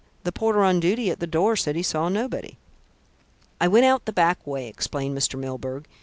"The porter on duty at the door said he saw nobody." "I went out the back way," explained Mr. Milburgh.